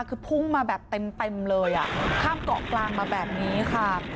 คือพุ่งมาแบบเต็มเลยข้ามเกาะกลางมาแบบนี้ค่ะ